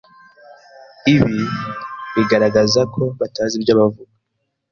Ibi bigaragaza ko batazi ibyo bavuga.